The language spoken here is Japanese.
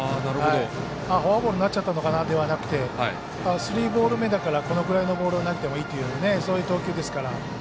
フォアボールになっちゃったかなではなくてスリーボール目だからこれぐらいのボールを投げてもいいというそういう投球ですから。